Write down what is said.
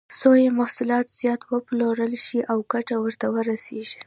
څو یې محصولات زیات وپلورل شي او ګټه ورته ورسېږي.